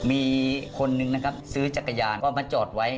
มีคนนึงนะครับซื้อจักรยานก็เอามาจอดไว้